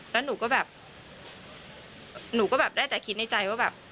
แล้วหนูก็แบบหนูก็แบบได้แต่คิดในใจว่าแบบ